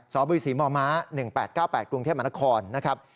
บศมม๑๘๙๘กรุงเทพมนครนะครับ